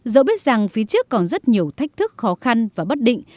dẫu biết rằng phía trước còn rất nhiều thách thức khó khăn và bất định